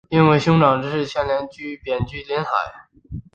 因为兄长之事牵连贬居临海。